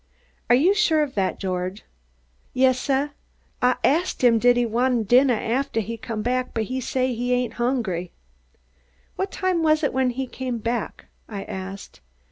"Are you sure of that, George?" "Yas, suh, Ah ast him did he want dinnah aftah he come back but he say he ain't hongry." "What time was it when he came back?" I asked.